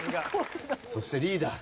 そしてリーダー。